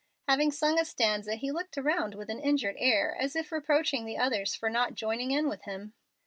Having sung a stanza he looked around with an injured air, as if reproaching the others for not joining in with him.